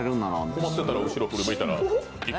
困ってたら、後ろ振り向いたら。